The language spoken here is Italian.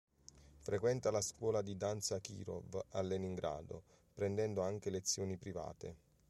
Frequenta la scuola di danza Kirov a Leningrado, prendendo anche lezioni private.